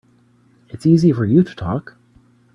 It's easy for you to talk.